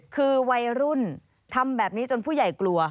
คือวัยรุ่นทำแบบนี้จนผู้ใหญ่กลัว